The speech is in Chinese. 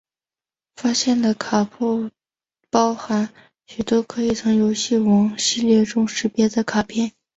发布的卡片包含许多可以从游戏王系列中识别的卡片！